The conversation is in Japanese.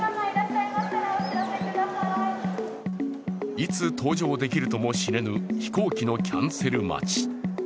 いつ搭乗できるとも知れぬ飛行機のキャンセル待ち。